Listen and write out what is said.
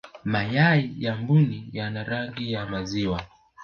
mayai ya mbuni yana rangi ya maziwa